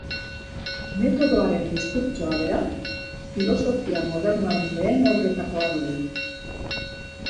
Metodoaren diskurtsoa beraz, filosofia modernoaren lehen obretakoa dugu.